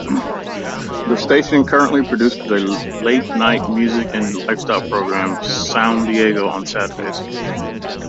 The station currently produces a late-night music and lifestyle program "SoundDiego" on Saturdays.